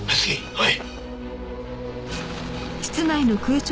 おい！